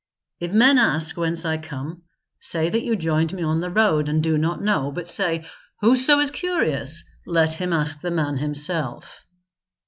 If men ask whence I come, say that you joined me on the road and do not know, but say, 'Whoso is curious, let him ask the man himself.'"